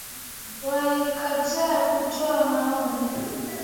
Walikataa kutoa maoni